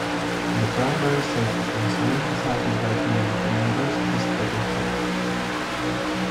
The primary safety concern cited by community members is petty theft.